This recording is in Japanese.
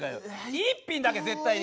１品だけ絶対に。